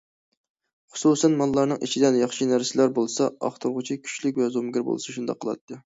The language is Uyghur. خۇسۇسەن ماللارنىڭ ئىچىدە ياخشى نەرسىلەر بولسا، ئاختۇرغۇچى كۈچلۈك ۋە زومىگەر بولسا شۇنداق قىلاتتى.